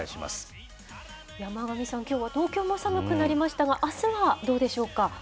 山神さん、きょうは東京も寒くなりましたが、あすはどうでしょうか。